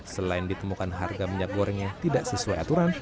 selain ditemukan harga minyak goreng yang tidak sesuai aturan